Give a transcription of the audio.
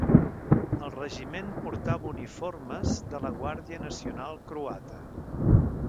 El regiment portava uniformes de la Guàrdia Nacional Croata.